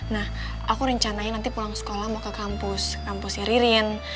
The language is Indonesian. nah aku rencanain nanti pulang sekolah mau ke kampus kampusnya ririn